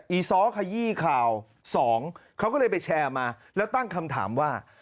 อซ้อขยี้ข่าวสองเขาก็เลยไปแชร์มาแล้วตั้งคำถามว่า